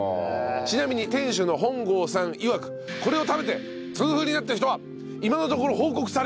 ちなみに店主の本郷さんいわくこれを食べて痛風になった人は今のところ報告されていない。